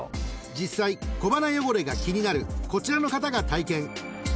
［実際小鼻汚れが気になるこちらの方が体験］